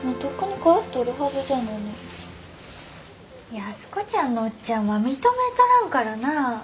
安子ちゃんのおっちゃんは認めとらんからなあ。